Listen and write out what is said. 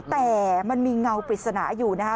แต่มันมีเงาปริศนาอยู่นะคะ